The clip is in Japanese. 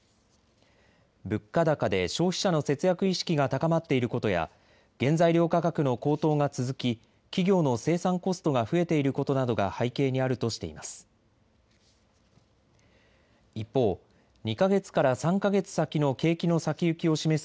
物価高で消費者の節約意識が高まっていることや原材料価格の高騰が続き、企業の生産コストが増えていることなどが背景にあるとしています。